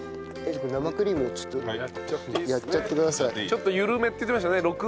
ちょっと緩めって言ってましたね